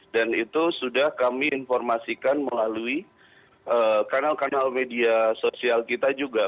dan itu sudah kami informasikan melalui kanal kanal media sosial kita juga